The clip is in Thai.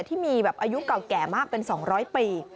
ที่มีแบบอายุเก่าแก่มากเป็น๒๐๐ปี